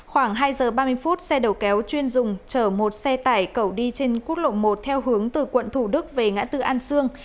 khoảng hai giờ ba mươi phút xe đầu kéo chuyên dùng chở một xe tải cẩu đi trên quốc lộ một theo hướng từ quận thủ đức về ngã tư an sương